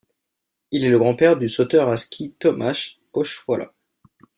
Il est le grand-père du sauteur à ski Tomasz Pochwała.